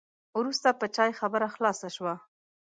وروسته په چای خبره خلاصه شوه.